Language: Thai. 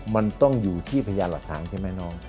มันต้องอยู่ที่พยานหลักฐานใช่ไหมน้อง